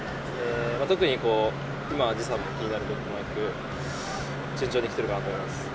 特に今は時差も気になることなく順調に来ているかなと思います。